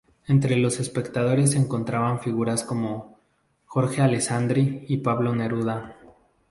Entre los espectadores se encontraban figuras como Jorge Alessandri y Pablo Neruda.